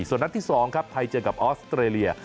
ส่วนนัดที่๒ครับไทยเจอกับออสเตรเลีย